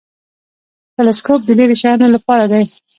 تلسکوپ د لیرې شیانو لپاره دی